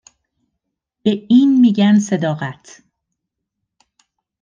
به این می گن صداقت